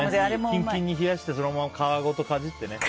キンキンに冷やして、皮ごとかじってね。